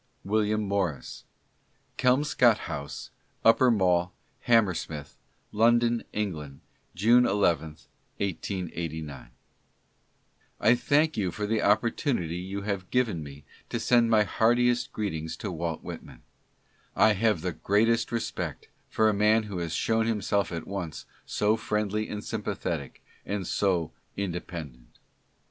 William Morris : Kelmscott House, Upper Mall, Hammersmith, London, England, June 11, 1889. I thank you for the opportunity you have given me to send my heartiest greetings to Walt Whitman ; I have the greatest respect for a man who has shown himself at once so friendly and sympathetic, and so independent.